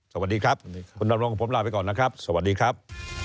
สวัสดีครับคุณดำรงผมลาไปก่อนนะครับสวัสดีครับ